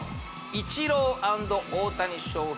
イチロー＆大谷翔平